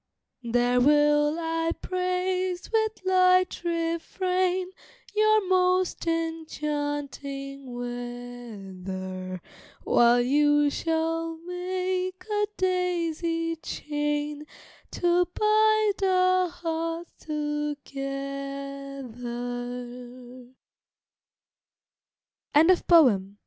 There will I praise with light refrain Your most enchanting weather, While you shall make a daisy chain, To bind our hearts together. WHAT'S WRONG?